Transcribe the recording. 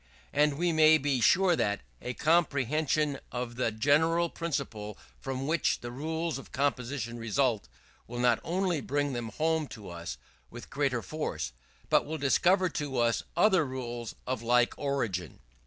And we may be sure that a comprehension of the general principle from which the rules of composition result, will not only bring them home to us with greater force, but will discover to us other rules of like origin.